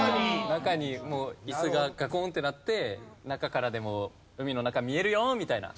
中に椅子がガコンッてなって中からでも海の中見えるよみたいな。